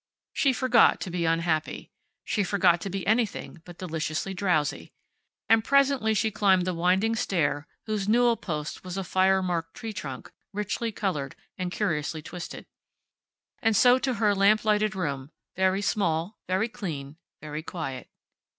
She forgot to be unhappy. She forgot to be anything but deliciously drowsy. And presently she climbed the winding stair whose newel post was a fire marked tree trunk, richly colored, and curiously twisted. And so to her lamp lighted room, very small, very clean, very quiet.